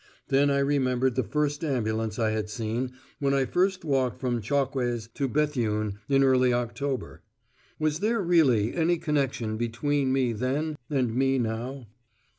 Then I remembered the first ambulance I had seen, when I first walked from Chocques to Béthune in early October! Was there really any connection between me then and me now?